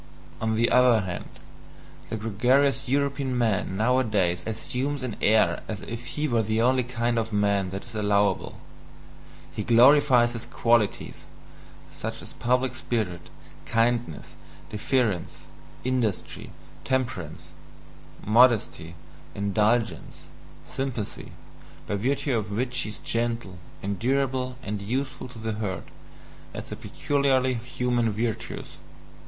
On the other hand, the gregarious European man nowadays assumes an air as if he were the only kind of man that is allowable, he glorifies his qualities, such as public spirit, kindness, deference, industry, temperance, modesty, indulgence, sympathy, by virtue of which he is gentle, endurable, and useful to the herd, as the peculiarly human virtues.